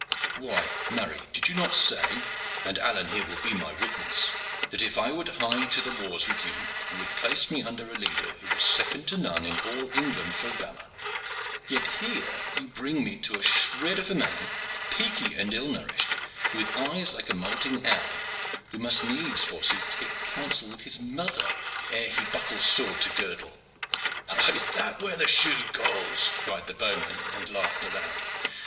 "Why, marry, did you not say, and Alleyne here will be my witness, that, if I would hie to the wars with you, you would place me under a leader who was second to none in all England for valor? Yet here you bring me to a shred of a man, peaky and ill nourished, with eyes like a moulting owl, who must needs, forsooth, take counsel with his mother ere he buckle sword to girdle." "Is that where the shoe galls?" cried the bowman, and laughed aloud.